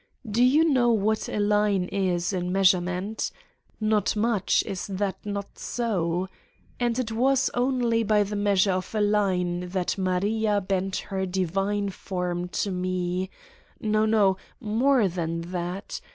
Do you know what a line is in measure ment? Not much, is that not so? And it was only by the measure of a line that Maria bent her divine form to me no, no more than that!